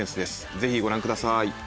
ぜひご覧ください。